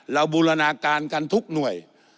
บูรณาการกันทุกหน่วย